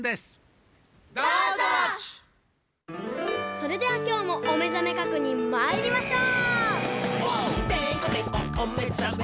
それではきょうもおめざめ確認まいりましょう！